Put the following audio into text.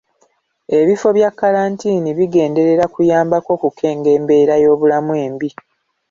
Abifo bya kalantiini bigenderera kuyambako kukenga embeera y'obulamu embi.